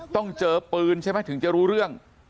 ต้องเจอปืนใช่ไหมถึงจะรู้เรื่อง